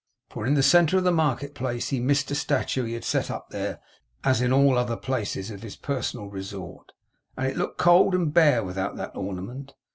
For, in the centre of the market place, he missed a statue he had set up there as in all other places of his personal resort; and it looked cold and bare without that ornament.